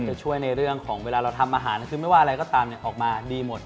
จะช่วยในเรื่องของเวลาเราทำอาหารคือไม่ว่าอะไรก็ตามออกมาดีหมด